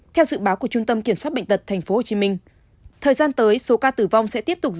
theo dự báo của trung tâm kiểm soát bệnh tật tp hcm thời gian tới số ca tử vong sẽ tiếp tục